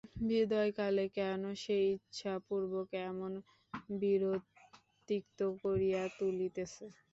বিদায়কালে কেন সে ইচ্ছাপূর্বক এমন বিরোধতিক্ত করিয়া তুলিতেছে।